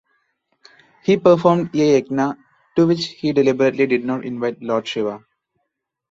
He performed a yagna, to which he deliberately did not invite Lord Shiva.